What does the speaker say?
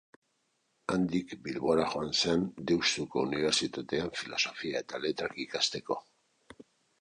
Handik Bilbora joan zen, Deustuko Unibertsitatean Filosofia eta Letrak ikasteko.